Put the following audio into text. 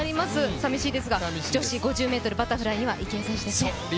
さみしいですが、女子５０ｍバタフライには池江選手ですね。